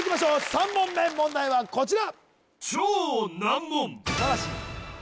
３問目問題はこちら